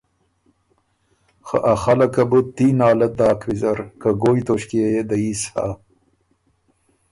خه ا خلقه بُو تی نالت داک ویزر که ګویٛ توݭکيې يې دييس هۀ